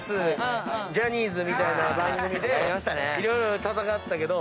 ジャニーズみたいな番組で色々戦ったけど。